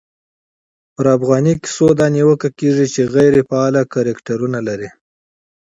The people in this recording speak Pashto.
پرا فغانۍ کیسو دا نیوکه کېږي، چي غیري فعاله کرکټرونه لري.